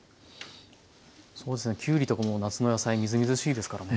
そうですねきゅうりとかも夏の野菜みずみずしいですからね。